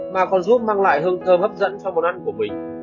mà còn giúp mang lại hương thơm hấp dẫn cho món ăn của mình